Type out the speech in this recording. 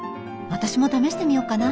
私も試してみようかな。